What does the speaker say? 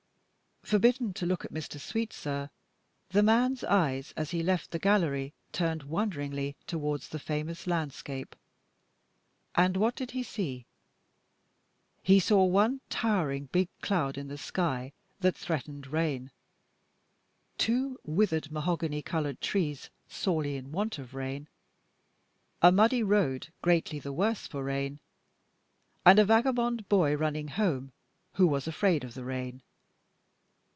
Forbidden to look at Mr. Sweetsir, the man's eyes as he left the gallery turned wonderingly towards the famous landscape. And what did he see? He saw one towering big cloud in the sky that threatened rain, two withered mahogany colored trees sorely in want of rain, a muddy road greatly the worse for rain, and a vagabond boy running home who was afraid of the rain.